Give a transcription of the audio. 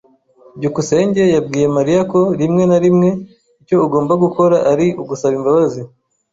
byukusenge yabwiye Mariya ko rimwe na rimwe icyo ugomba gukora ari ugusaba imbabazi.